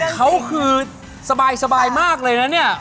เขาคือสบายมากเลยนะเนี่ย